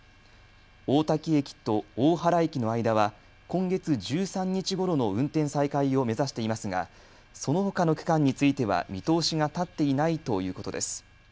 大多喜駅と大原駅の間は今月１３日ごろの運転再開を目指していますがそのほかの区間については見通しが立っていないということです。